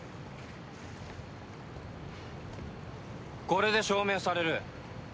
これで証明される。